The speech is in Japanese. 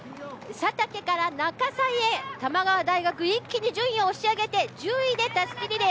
佐竹から中才玉川大学、一気に順位を上げて１０位でたすきリレー。